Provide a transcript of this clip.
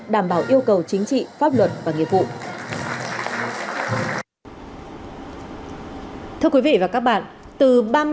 đảm bảo yêu cầu chính trị pháp luật và nghiệp vụ